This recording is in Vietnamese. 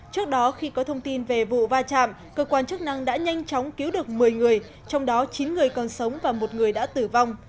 trước đó khi có thông tin về vụ va chạm cơ quan chức năng đã nhanh chóng cứu được một mươi người trong đó chín người còn sống và một người đã tử vong